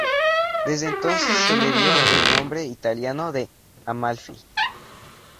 Desde entonces se le dio el nombre italiano de Amalfi.